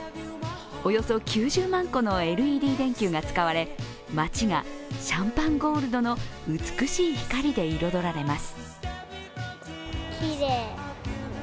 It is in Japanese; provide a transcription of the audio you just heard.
およそ９０万個のＬＥＤ電球が使われ、街がシャンパンゴールドの美しい光で彩られます。